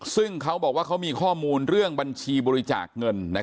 ซึ่งเขาบอกว่าเขามีข้อมูลเรื่องบัญชีบริจาคเงิน